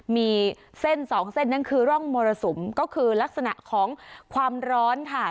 มีเส้นสองเส้นนั้นคือร่องมรสุมก็คือลักษณะของความร้อนค่ะ